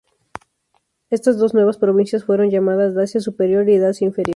Estas dos nuevas provincias fueron llamadas Dacia Superior y Dacia Inferior.